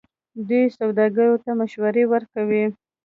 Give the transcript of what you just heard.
دوی سوداګرو ته مشورې ورکوي.